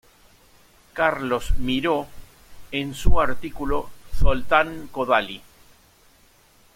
Carlos Miró, en su artículo "Zoltán Kodály.